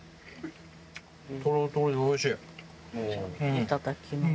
いただきます。